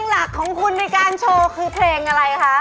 หลักของคุณในการโชว์คือเพลงอะไรคะ